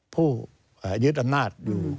ผู้ยึดอำนาจ